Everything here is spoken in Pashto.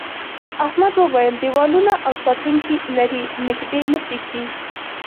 احمد وویل دیوالونه او ساتونکي لري نږدې نه پرېږدي.